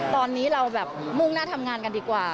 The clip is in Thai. ตอนนี้เราแบบมุ่งหน้าทำงานกันดีกว่า